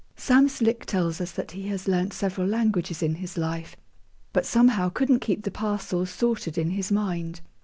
Sam Slick tells us that he has learnt several languages in his life, but somehow 'couldn't keep the parcels sorted' in his mind.